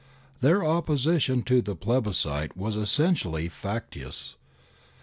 Their opposition to the plebiscite was essentially factious.